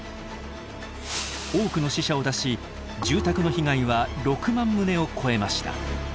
多くの死者を出し住宅の被害は６万棟を超えました。